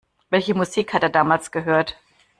Welche Musik hat er damals gehört?